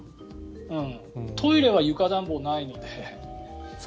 トイレは床暖房ないので。